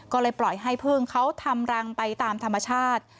ก็เลยปล่อยให้พึ่งเขาทำรังไปตามธรรมชาติ